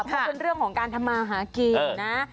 เพราะเป็นเรื่องของการทำมาหากินนะ